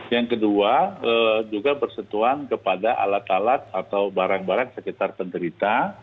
yang kedua juga bersentuhan kepada alat alat atau barang barang sekitar penderita